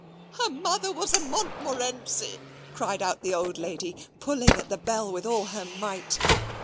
"Her mother was a Montmorency," cried out the old lady, pulling at the bell with all her might.